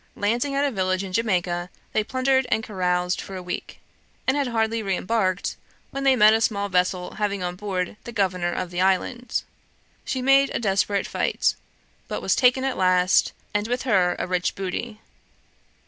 Landing at a village in Jamaica, they plundered and caroused for a week, and had hardly re embarked when they met a small vessel having on board the governor of the island. She made a desperate fight, but was taken at last, and with her a rich booty.